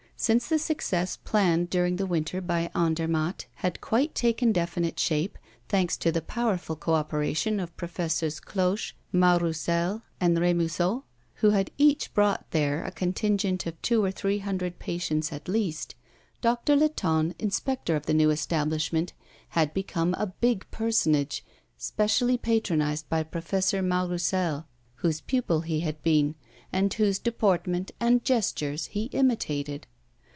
Since the success planned during the winter by Andermatt had quite taken definite shape, thanks to the powerful co operation of Professors Cloche, Mas Roussel, and Remusot, who had each brought there a contingent of two or three hundred patients at least, Doctor Latonne, inspector of the new establishment, had become a big personage, specially patronized by Professor Mas Roussel, whose pupil he had been, and whose deportment and gestures he imitated.